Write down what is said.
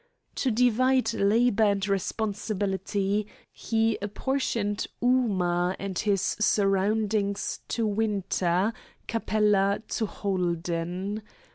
To divide labour and responsibility, he apportioned Ooma and his surroundings to Winter, Capella to Holden.